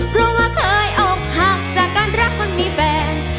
เพราะว่าเคยออกห่างจากการรักคนมีแฟน